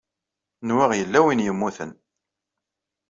Nwiɣ yella win i yemmuten.